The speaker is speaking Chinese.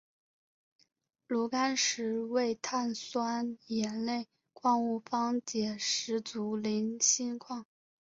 炉甘石为碳酸盐类矿物方解石族菱锌矿。